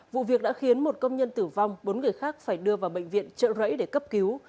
vụ việc đã khiến một công nhân tử vong bốn người khác phải đưa vào bệnh viện trợ rẫy để cấp cứu